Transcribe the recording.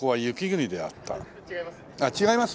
違います。